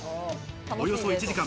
およそ１時間。